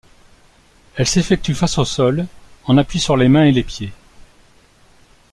Elles s'effectuent face au sol, en appui sur les mains et les pieds.